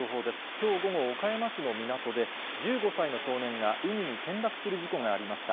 きょう午後、岡山市の港で、１５歳の少年が海に転落する事故がありました。